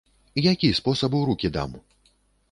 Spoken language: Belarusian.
Які спосаб у рукі дам?